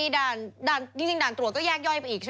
ด่านตรวจก็แยกย่อยไปอีก